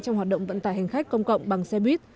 trong hoạt động vận tải hành khách công cộng bằng xe buýt